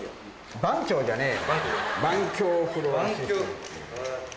番長じゃねぇよ。